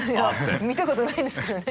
見たことないですけどね。